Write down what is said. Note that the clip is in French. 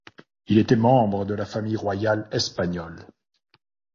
Il était membre de la famille royale espagnole.